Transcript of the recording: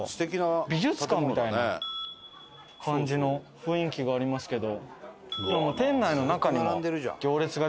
美術館みたいな感じの雰囲気がありますけど。